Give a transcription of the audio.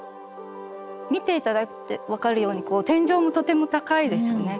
見て頂いて分かるように天井もとても高いですよね。